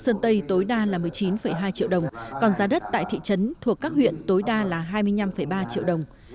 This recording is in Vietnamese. sơn tây tối đa là một mươi chín hai triệu đồng còn giá đất tại thị trấn thuộc các huyện tối đa là hai mươi năm ba triệu đồng